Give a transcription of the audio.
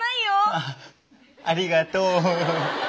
あありがとう。